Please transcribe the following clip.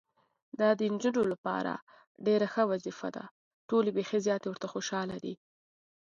چې د چاینکې وروستۍ پیاله ښه دم شوې وي.